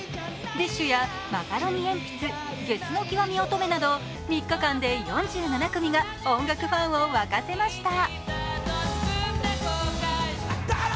ＤＩＳＨ／／やマカロニえんぴつゲスの極み乙女など３日間で４７組が音楽ファンを沸かせました。